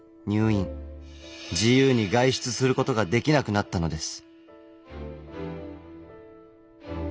自由に外出することができなくなったのです。